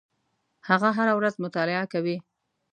هغه هره ورځ مطالعه کوي.